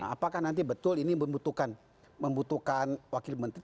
apakah nanti betul ini membutuhkan wakil menteri